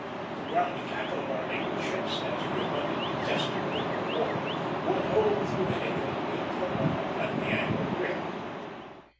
The ground tackle of our naval ships, as we abundantly tested during the war, would hold through anything, if the bottom let the anchor grip.